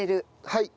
はい。